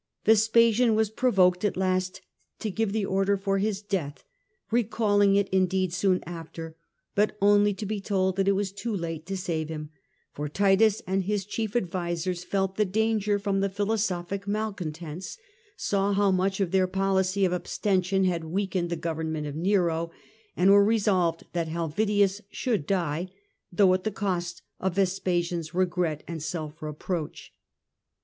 Vespasian was provoked at last to give the order for his death, recalling it, indeed, soon after, but only to be told that it was too late to save him, for Titus and his chief advisers felt the danger from the philosophic malcontents, saw how much their policy of abstention had weakened the government ot Nero, and were resolved that Helvidius should die, though at the cost of Vespasian's regret and self reproach.